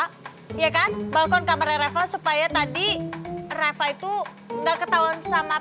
kameranya reva ya kan balkon kameranya reva supaya tadi reva itu enggak ketahuan sama